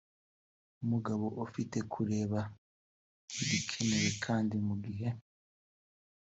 nk’umugabo ufite kureba igikenewe kandi mu gihe